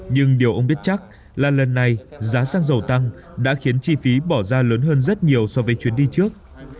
nhưng điều ông biết chắc là lần này giá xăng dầu tăng đã khiến chi phí bỏ ra lớn hơn rất nhiều so với chuyến đi trước